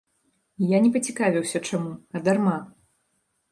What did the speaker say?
Я не пацікавіўся, чаму, а дарма.